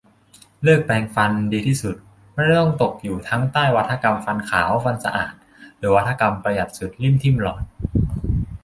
เลิกแปรงฟัน ดีที่สุด ไม่ต้องตกอยู่ทั้งใต้วาทกรรมฟันขาวฟันสะอาด หรือวาทกรรมประหยัดสุดลิ่มทิ่มหลอด